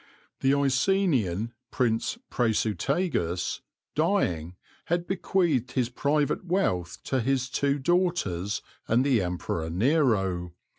The Icenian "Prince Prasutagus, dying, had bequeathed his private wealth to his two daughters and the Emperor Nero.